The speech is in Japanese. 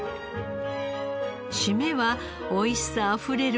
締めは美味しさあふれる